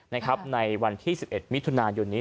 ในวันที่๑๑มิถุนายนนี้